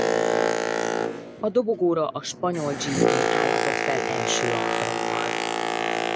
A dobogóra a spanyol gp-n állhatott fel első alkalommal.